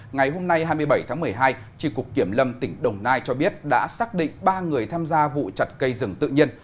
ngày hôm nay hai mươi bảy tháng một mươi hai tri cục kiểm lâm tỉnh đồng nai cho biết đã xác định ba người tham gia vụ chặt cây rừng tự nhiên